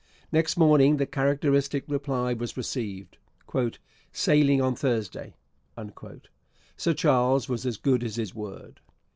Next morning the characteristic reply was received: 'Sailing on Thursday.' Sir Charles was as good as his word.